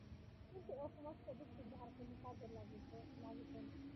কিন্তু এ-সমস্ত যুক্তি তাহার কোনো কাজে লাগিত না।